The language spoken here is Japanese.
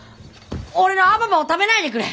俺のアババを食べないでくれ！